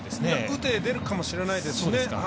打てが出るかもしれないですし